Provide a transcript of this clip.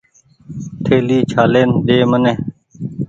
ٿهلي ڇهآلين ۮي مني